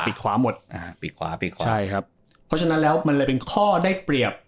ขวาหมดอ่าปีกขวาปีกขวาใช่ครับเพราะฉะนั้นแล้วมันเลยเป็นข้อได้เปรียบ